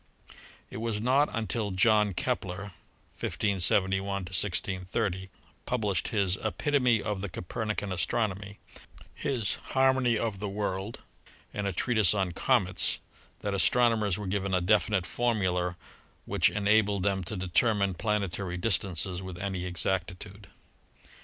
It was not until John Kepler (1571 1630) published his "Epitome of the Copernican Astronomy," his "Harmony of the World" and a treatise on "Comets" that astrono mers were given a definite formula which enabled them to determine planetary distances with any exactitude.